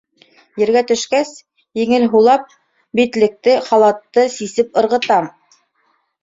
Ергә төшкәс, еңел һулап, битлекте, халатты сисеп ырғытам.